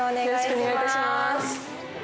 よろしくお願いします。